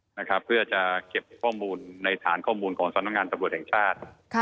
นะครับเพื่อจะเก็บข้อมูลในฐานข้อมูลของสำนักงานตำรวจแห่งชาติ